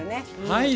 はい。